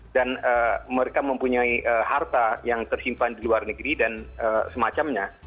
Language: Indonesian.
mereka mempunyai harta yang tersimpan di luar negeri dan semacamnya